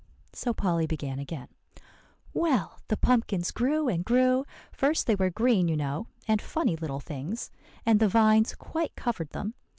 So Polly began again: "Well, the pumpkins grew and grew. First they were green, you know, and funny little things, and the vines quite covered them.